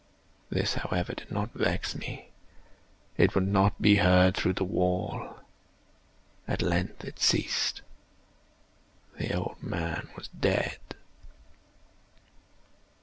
This, however, did not vex me; it would not be heard through the wall. At length it ceased. The old man was dead.